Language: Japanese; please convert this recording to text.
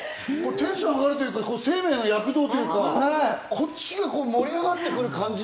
テンション上がるというか、生命の躍動というか、こっちが盛り上がってくる感じ。